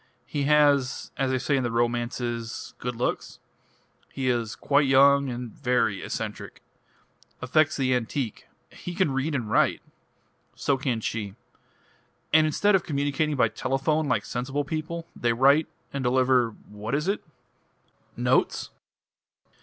He has as they say in the romances good looks. He is quite young and very eccentric. Affects the antique he can read and write! So can she. And instead of communicating by telephone, like sensible people, they write and deliver what is it?" "Notes?"